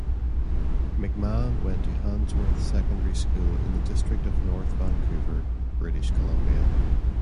McMahon went to Handsworth Secondary School in the District of North Vancouver, British Columbia.